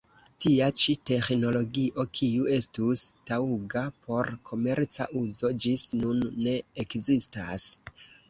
Tia ĉi teĥnologio, kiu estus taŭga por komerca uzo, ĝis nun ne ekzistas.